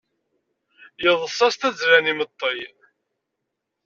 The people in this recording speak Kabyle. Yeḍṣa s tazzla n imeṭṭi!